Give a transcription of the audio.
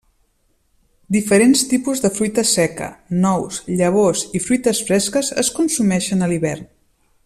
Diferents tipus de fruita seca, nous, llavors i fruites fresques es consumeixen a l'hivern.